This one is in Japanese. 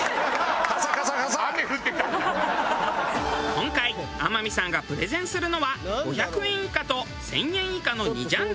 今回天海さんがプレゼンするのは５００円以下と１０００円以下の２ジャンル。